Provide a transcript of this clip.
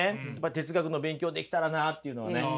哲学の勉強できたらなあっていうのはね。